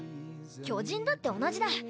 巨人だって同じだ。